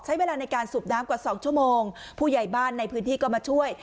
ใช้เวลาในการสูบน้ำกว่าสองชั่วโมงผู้ใหญ่บ้านในพื้นที่ก็มาช่วย